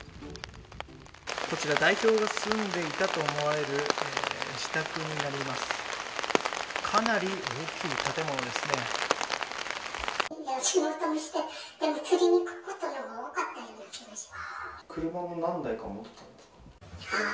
こちら代表が住んでいたと思われる自宅になります。